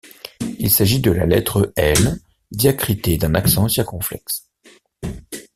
Il s’agit de la lettre L diacritée d’un accent circonflexe.